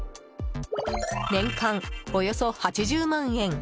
年間でおよそ８０万円。